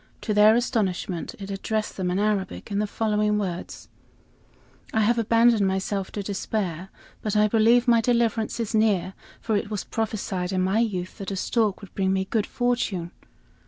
To their astonishment it addressed them in Arabic, in the following words: "I have abandoned myself to despair, but I believe my deliverance is near, for it was prophesied in my youth that a stork would bring me good fortune."